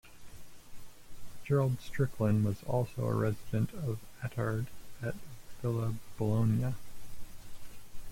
Gerald Strickland was also a resident of Attard, at Villa Bologna.